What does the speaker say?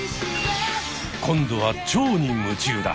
今度はチョウに夢中だ。